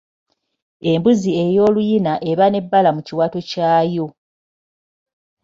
Embuzi ey'oluyina eba n'ebbala mu kiwato kyayo.